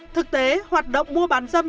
thực tế hoạt động mua bán dâm